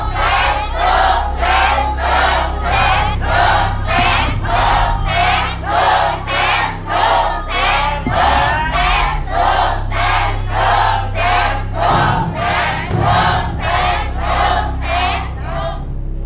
ถูกถูกถูกถูกเซ็นถูกเซ็น